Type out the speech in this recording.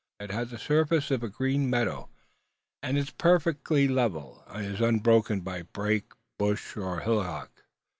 It has the surface of a green meadow, and its perfect level is unbroken by brake, bush, or hillock.